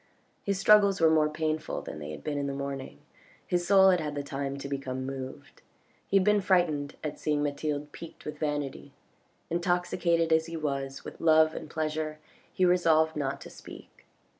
His struggles were more painful than they had been in the morning, his soul had had the time to become moved. He had been frightened at seeing Mathilde piqued with vanity. Intoxicated as he was with love and pleasure he resolved not to speak.